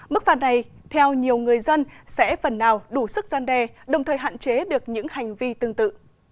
mức phạt này theo nhiều người dân sẽ phần nào đủ sức gian đe đồng thời hạn chế được những hành vi tương tự